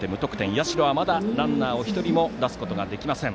社は、まだランナーを１人も出すことができません。